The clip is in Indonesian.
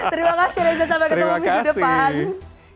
terima kasih reza sampai ketemu minggu depan